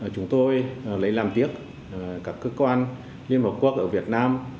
chúng tôi lấy làm tiếc các cơ quan liên hợp quốc ở việt nam